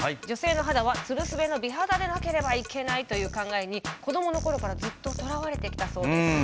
女性の肌はツルスベの美肌でなければいけないという考えに子どもの頃からずっととらわれてきたそうです。